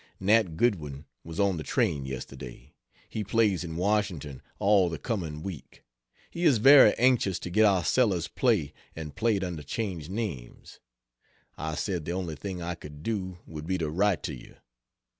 Nat Goodwin was on the train yesterday. He plays in Washington all the coming week. He is very anxious to get our Sellers play and play it under changed names. I said the only thing I could do would be to write to you.